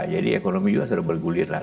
jadi ekonomi juga sudah bergulir lah